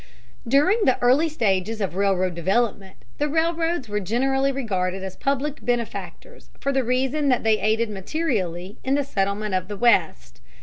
During the early stages of railroad development, the railroads were generally regarded as public benefactors for the reason that they aided materially in the settlement of the West.